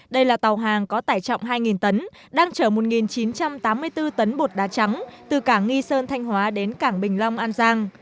đây là tàu hàng có tải trọng hai tấn đang chở một chín trăm tám mươi bốn tấn bột đá trắng từ cảng nghi sơn thanh hóa đến cảng bình long an giang